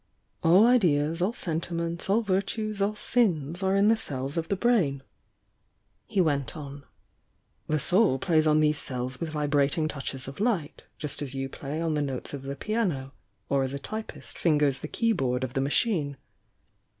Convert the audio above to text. "All ideas, all sentiments, all virtues, all sins, are in the cells of the brain," he went on. ''The soul plays on these cells with vibrating touches of hght, just as you play on the notes of the piano, or as a typist fingers the keyboard of the machine.